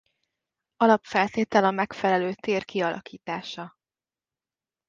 Alapfeltétel a megfelelő tér kialakítása.